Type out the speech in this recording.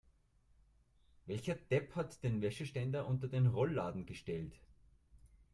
Welcher Depp hat den Wäscheständer unter den Rollladen gestellt?